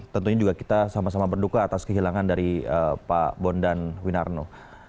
tentunya juga kita sama sama berduka atas kehilangan dari pak bondan winarno